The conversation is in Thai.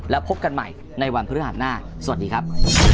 แล้วพบกันใหม่ในวันพฤหัสหน้าสวัสดีครับ